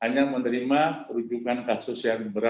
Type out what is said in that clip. hanya menerima perujukan kasus yang berat dan berat